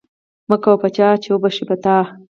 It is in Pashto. ـ مه کوه په چا ،چې وبشي په تا.